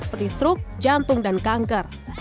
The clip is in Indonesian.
seperti struk jantung dan kanker